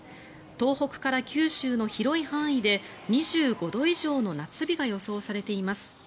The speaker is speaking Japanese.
東北から九州の広い範囲で２５度以上の夏日が予想されています。